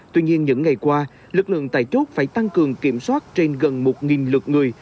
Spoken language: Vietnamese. tuy nhiên những ngày qua lực lượng tại chốt phải tăng cường kiểm soát trên gần một lượt người